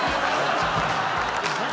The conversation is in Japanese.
何！？